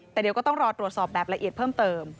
แต่เดี๋ยวก็ต้องรอตรวจสอบแบบละเอียดเพิ่มเติม